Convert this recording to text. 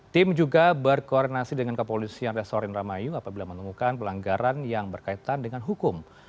tim juga berkoordinasi dengan kepolisian resor indramayu apabila menemukan pelanggaran yang berkaitan dengan hukum